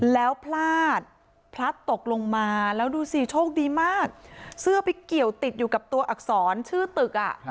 แล้วพลาดพลัดตกลงมาแล้วดูสิโชคดีมากเสื้อไปเกี่ยวติดอยู่กับตัวอักษรชื่อตึกอ่ะ